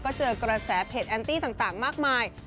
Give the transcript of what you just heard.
ก็เจอกระแสเพจแอนตี้ต่างมากมาย